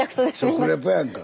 食レポやんか。